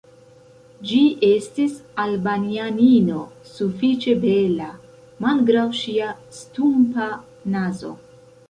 Ĝi estis Albanianino sufiĉe bela, malgraŭ ŝia stumpa nazo.